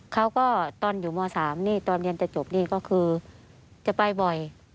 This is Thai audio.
เขาก็ตอนอยู่ม๓นี่ตอนเรียนจะจบนี่ก็คือจะไปบ่อย